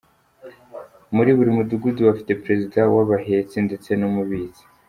Muri buri mudugudu bafite Perezida w’abahetsi ndetse n’umubitsi.